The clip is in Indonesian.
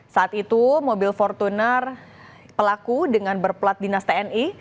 saat itu mobil fortuner pelaku dengan berplat dinas tni